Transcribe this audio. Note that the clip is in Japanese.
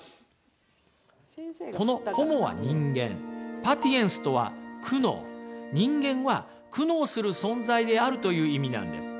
この「ホモ」は人間「パティエンス」とは苦悩人間は苦悩する存在であるという意味なんです。